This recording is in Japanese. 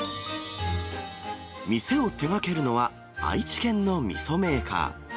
店を手がけるのは愛知県のみそメーカー。